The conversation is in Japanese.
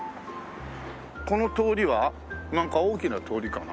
この通りはなんか大きな通りかな？